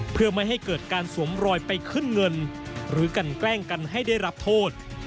เพื่อไม่ให้เกิดการสวมรอยไปขึ้นเงินหรือกันแกล้งกันให้ได้รับโทษ